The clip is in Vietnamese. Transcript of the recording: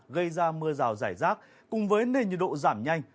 gây ra mưa rào rải rác cùng với nền nhiệt độ giảm nhanh